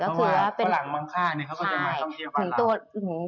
เพราะว่าฝรั่งบางข้างเขาก็จะมาท่องเที่ยวของเรา